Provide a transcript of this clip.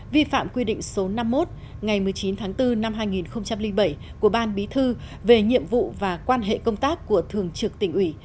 vi phạm quy định số năm mươi một ngày một mươi chín tháng bốn năm hai nghìn bảy của ban bí thư về nhiệm vụ và quan hệ công tác của thường trực tỉnh ủy